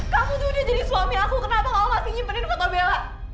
kamu tuh udah jadi suami aku kenapa kamu masih nyimpenin foto bella